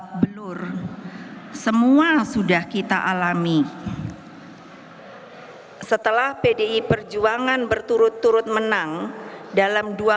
pak belur semua sudah kita alami setelah pdi perjuangan berturut turut menang dalam dua